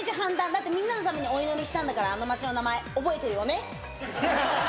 だってみんなのためにお祈りしたんだからあの街の名前覚えてるよね？